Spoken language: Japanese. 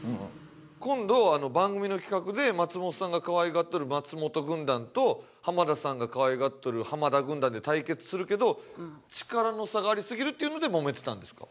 今度番組の企画で松本さんがかわいがってる松本軍団と浜田さんがかわいがっとる浜田軍団で対決するけど力の差がありすぎるっていうのでもめてたんですか？